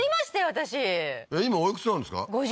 私今おいくつなんですか？